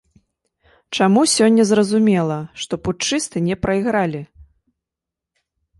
Чаму сёння зразумела, што путчысты не прайгралі?